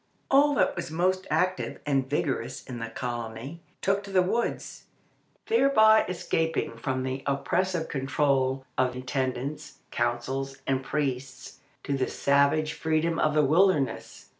All that was most active and vigorous in the colony took to the woods, thereby escaping from the oppressive control of intendants, councils, and priests, to the savage freedom of the wilderness.